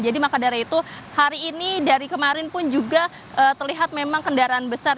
jadi makadari itu hari ini dari kemarin pun juga terlihat memang kendaraan besar